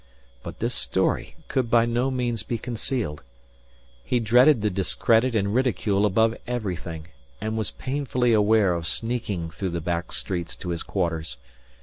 But this story could by no means be concealed. He dreaded the discredit and ridicule above everything, and was painfully aware of sneaking through the back streets to his quarters.